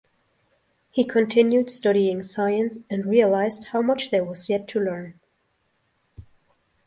He continued studying science and realised how much there was yet to learn.